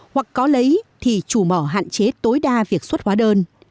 hoặc có lấy thì chủ mỏ hạn chế tối đa việc xuất hóa đơn